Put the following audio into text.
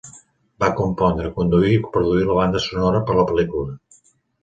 Va compondre, conduir i produir la banda sonora per la pel·lícula.